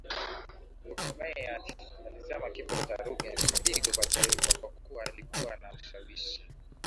Lukumay alisema kifo cha Ruge ni pigo kwa Taifa kwa kuwa alikuwa na ushawishi